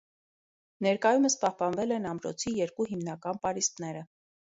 Ներկայումս պահպանվել են ամրոցի երկու հիմնական պարիսպները։